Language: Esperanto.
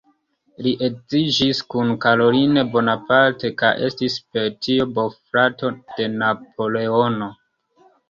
Li edziĝis kun Caroline Bonaparte kaj estis per tio bofrato de Napoleono.